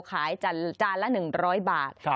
ขายจานละ๑๐๐บาท